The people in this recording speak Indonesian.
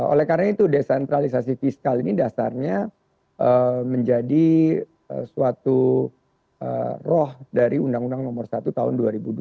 oleh karena itu desentralisasi fiskal ini dasarnya menjadi suatu roh dari undang undang nomor satu tahun dua ribu dua puluh